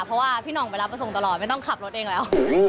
เพราะว่าพี่ห่องไปรับประสงค์ตลอดไม่ต้องขับรถเองแล้ว